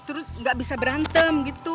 terus nggak bisa berantem gitu